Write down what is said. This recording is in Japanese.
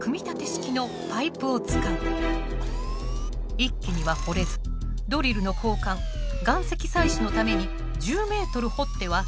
一気には掘れずドリルの交換岩石採取のために１０ｍ掘っては引き上げる。